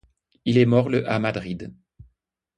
Il est mort le à Madrid.